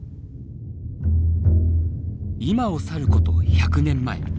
今を去ること１００年前。